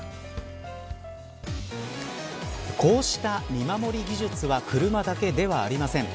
こうした見守り技術は車だけではありません。